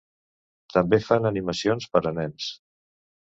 També fan animacions per a nens.